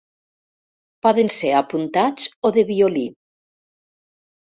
Poden ser apuntats o de violí.